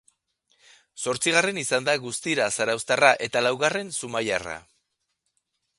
Zortzigarren izan da guztira zarauztarra eta laugarren zumaiarra.